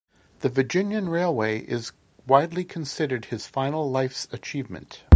The Virginian Railway is widely considered his final life's achievement.